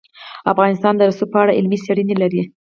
افغانستان د رسوب په اړه علمي څېړنې لري.